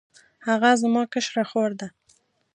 هغه زما کشره خور ده